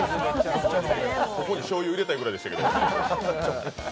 ここに醤油、入れたいくらいでしたけど。